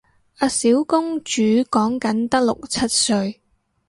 阿小公主講緊得六七歲